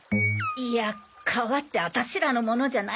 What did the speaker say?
いや川ってアタシらのものじゃないでしょ。